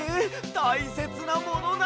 たいせつなものなのに！